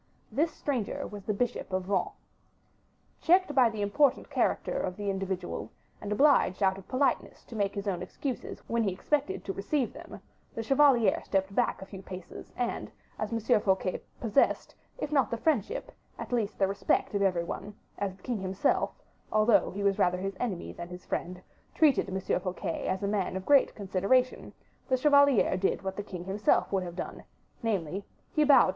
This stranger was the bishop of Vannes. Checked by the important character of the individual, and obliged out of politeness to make his own excuses when he expected to receive them, the chevalier stepped back a few paces; and as Monsieur Fouquet possessed, if not the friendship, at least the respect of every one; as the king himself, although he was rather his enemy than his friend, treated M. Fouquet as a man of great consideration, the chevalier did what the king himself would have done, namely, he bowed to M.